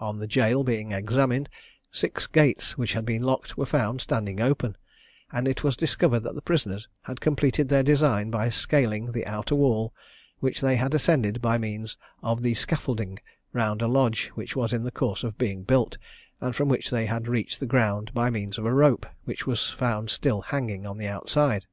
On the jail being examined, six gates which had been locked were found standing open, and it was discovered that the prisoners had completed their design by scaling the outer wall, which they had ascended by means of the scaffolding round a lodge which was in the course of being built, and from which they had reached the ground by means of a rope which was found still hanging on the outside.